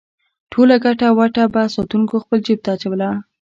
ټوله ګټه وټه به ساتونکو خپل جېب ته اچوله.